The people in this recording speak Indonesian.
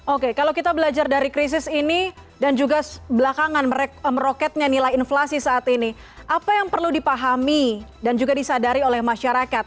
oke kalau kita belajar dari krisis ini dan juga belakangan meroketnya nilai inflasi saat ini apa yang perlu dipahami dan juga disadari oleh masyarakat